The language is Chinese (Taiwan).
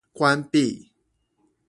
關閉